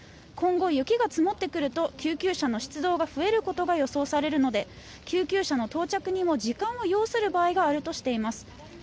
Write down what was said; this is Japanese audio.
今後、雪が積もってくると救急車の出動が増えることが予想されるので救急車の到着にも時間を要する場合があるとしています。